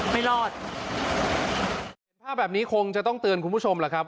ไม่รอดเห็นภาพแบบนี้คงจะต้องเตือนคุณผู้ชมล่ะครับ